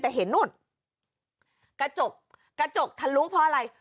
แต่เห็นนู่นกระจกกระจกทะลุเพราะอะไร